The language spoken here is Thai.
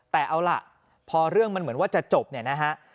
แต่เอาล่ะพอเรื่องมันเหมือนว่าจะจบเนี่ยนะฮะ